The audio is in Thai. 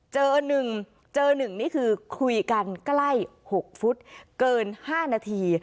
เจอ๑เจอ๑นี่คือคุยกันใกล้๖ฟุตเกิน๕นาที